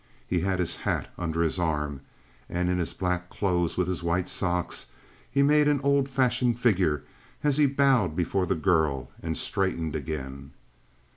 He had his hat under his arm; and in his black clothes, with his white stock, he made an old fashioned figure as he bowed before the girl and straightened again.